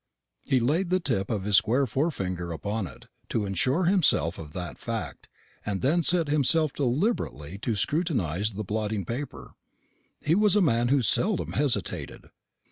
Ha laid the tip of his square forefinger upon it, to assure himself of that fact, and then set himself deliberately to scrutinise the blotting paper. He was a man who seldom hesitated.